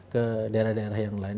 ke daerah daerah yang lain